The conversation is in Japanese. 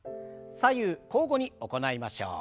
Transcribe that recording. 左右交互に行いましょう。